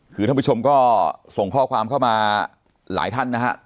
คือท่านผู้ชมก็ส่งข้อความเข้ามาหลายท่านนะฮะ